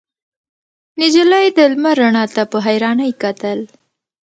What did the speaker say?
نجلۍ د لمر رڼا ته په حيرانۍ کتل.